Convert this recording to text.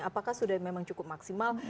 apakah sudah memang cukup maksimal